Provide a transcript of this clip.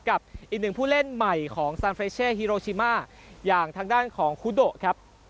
กับอีกหนึ่งผู้เล่นใหม่ของซานเฟรเช่ฮิโรชิมาอย่างทางด้านของคุโดะครับ